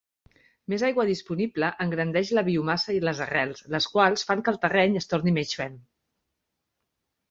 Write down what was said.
Més aigua disponible engrandeix la biomassa i les arrels, les quals fan que el terreny es torni menys ferm.